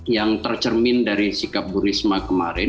yang tercermin dari sikap bu risma kemarin